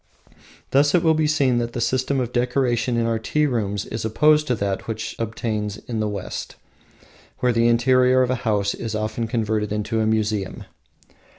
Thus it will be seen that the system of decoration in our tea rooms is opposed to that which obtains in the West, where the interior of a house is often converted into a museum.